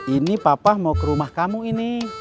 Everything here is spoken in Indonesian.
ini papa mau ke rumah kamu ini